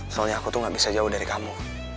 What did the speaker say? soalnya aku tuh gak bisa jauh dari kamu